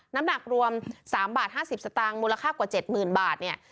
น้ำหนักรวมสามบาทห้าสิบสตางค์มูลค่ากว่าเจ็ดหมื่นบาทเนี่ย